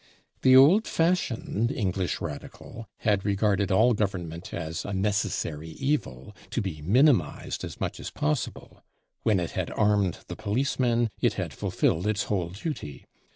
The old fashioned English Radical had regarded all government as a necessary evil, to be minimized as much as possible. When it had armed the policemen, it had fulfilled its whole duty.